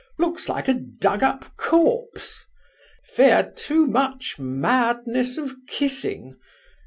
Looks like a dug up corpse. Fear too much madness of kissing.